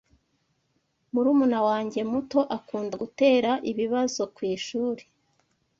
Murumuna wanjye muto akunda gutera ibibazo kwishuri.